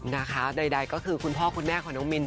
นะคะใดก็คือคุณพ่อคุณแม่ของน้องมิน